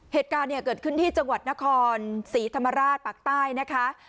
เหตุการณ์เนี่ยเกิดขึ้นที่จังหวัดนครศรีธรรมราชปากใต้นะคะ